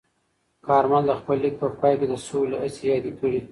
کارمل د خپل لیک په پای کې د سولې هڅې یادې کړې.